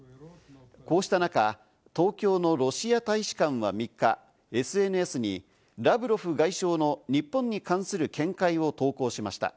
こうした中、東京のロシア大使館は３日、ＳＮＳにラブロフ外相の日本に関する見解を投稿しました。